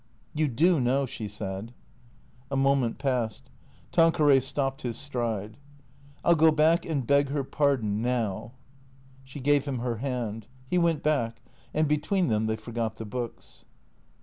" You do know," she said. A moment passed. Tanqueray stopped his stride. THE CREA TOES 373 " I '11 go back and beg her pardon — now." She gave him her hand. He went back; and between them they forgot the books.